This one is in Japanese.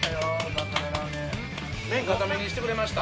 麺硬めにしてくれました？